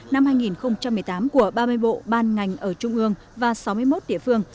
năm hai nghìn một mươi tám của ba mươi bộ ban ngành ở trung ương và sáu mươi một địa phương